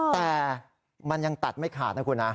แต่มันยังตัดไม่ขาดนะคุณนะ